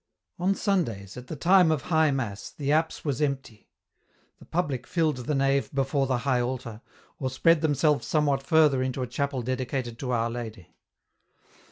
On Sundays, at the time of High Mass, the apse was empty. The public filled the nave before the high altar, or spread themselves somewhat further into a chapel dedicated to Our Lady.